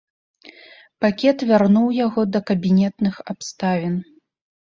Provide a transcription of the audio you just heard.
Пакет вярнуў яго да кабінетных абставін.